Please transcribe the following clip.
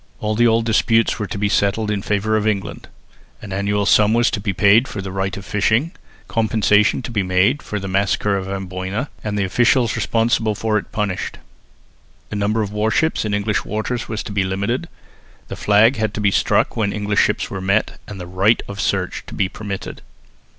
All the old disputes were to be settled in favour of England. An annual sum was to be paid for the right of fishing; compensation to be made for "the massacre of Amboina" and the officials responsible for it punished; the number of warships in English waters was to be limited; the flag had to be struck when English ships were met and the right of search to be permitted.